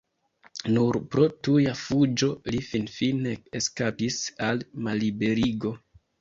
Nur pro tuja fuĝo li finfine eskapis al malliberigo.